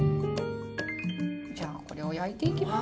じゃあこれを焼いていきます。